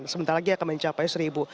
sebentar lagi akan mencapai seribu